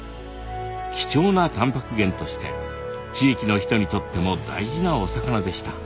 貴重なたんぱく源として地域の人にとっても大事なお魚でした。